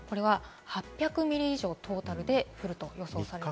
８００ミリ以上、トータルで降ると予想されます。